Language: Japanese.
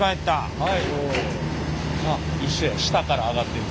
はい。